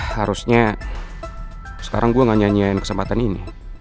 harusnya sekarang gue gak nyanyiin kesempatan ini